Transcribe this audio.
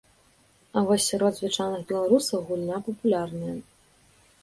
А вось сярод звычайных беларусаў гульня папулярная.